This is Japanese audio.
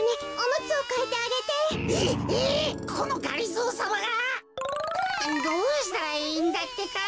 このがりぞーさまが！？どうしたらいいんだってか。